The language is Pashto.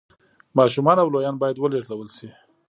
ماشومان او لویان باید ولېږدول شي